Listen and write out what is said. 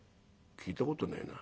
「聞いたことねえな。